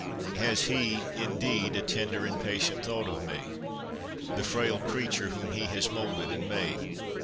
Has He, indeed, a tender and patient thought of me, the frail creature whom He has moulded and made